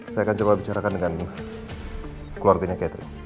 saya akan coba bicarakan dengan clortina catherine